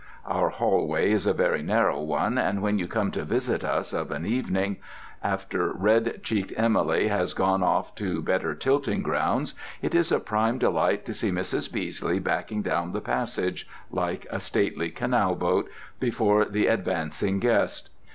Our hallway is a very narrow one, and when you come to visit us of an evening, after red cheeked Emily has gone off to better tilting grounds, it is a prime delight to see Mrs. Beesley backing down the passage (like a stately canal boat) before the advancing guest.